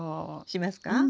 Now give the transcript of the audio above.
しますか？